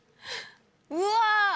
うわ！